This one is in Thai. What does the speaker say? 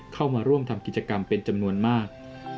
เข้ามาร่วมทำกิจกรรมเป็นจำนวนมาก